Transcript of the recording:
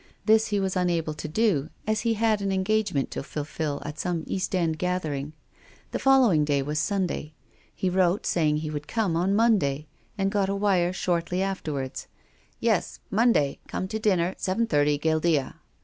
This he was unable to do as he had an engagement to fulfil at some East End gathering. The following day Avas Sunday. lie wrote say ing he would come on the Monday, and got a wire shortly afterwards: "Yes, Monday come to dinner seven thirty Guildea."